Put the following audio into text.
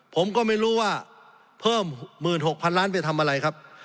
ผมก็ไม่รู้ว่าเพิ่ม๑๖๐๐๐ล้านไปทำอะไรครับ